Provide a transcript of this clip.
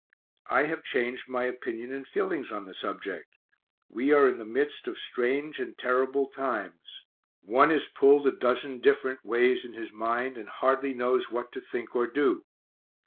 I have changed my opinion and feelings on the subject we are in the midst of strange and terrible times one is pulled a dozen different ways in his mind, and hardly knows what to think or do.